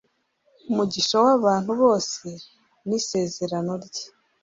Umugisha w’abantu bose n’isezerano rye,